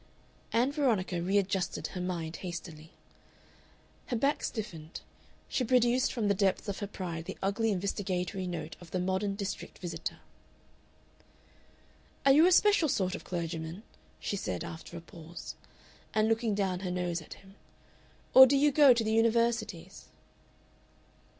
Ann Veronica readjusted her mind hastily. Her back stiffened. She produced from the depths of her pride the ugly investigatory note of the modern district visitor. "Are you a special sort of clergyman," she said, after a pause, and looking down her nose at him, "or do you go to the Universities?"